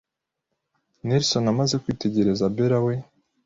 Nelson amaze kwitegereza Bella we,